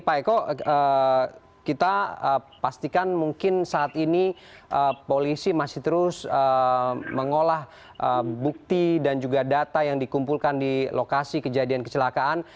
pak eko kita pastikan mungkin saat ini polisi masih terus mengolah bukti dan juga data yang dikumpulkan di lokasi kejadian kecelakaan